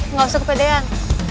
nggak usah kepedean